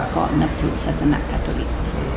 ก็นับถือศาสนาคาทอลิก